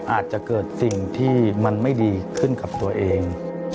อาจจะเกิดสิ่งที่มันไม่ดีขึ้นกับตัวเอง